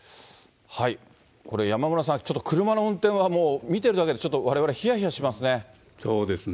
これ、山村さん、ちょっと車の運転はもう見てるだけで、われわれひやひやしますね。